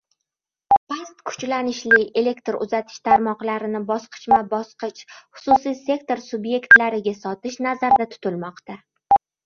Past kuchlanishli elektr uzatish tarmoqlarini bosqichma-bosqich xususiy sektor sub’ektlariga sotish nazarda tutilmoqda.